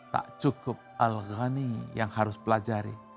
tak cukup al ghani yang harus pelajari